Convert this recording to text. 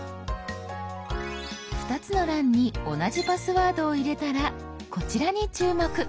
２つの欄に同じパスワードを入れたらこちらに注目！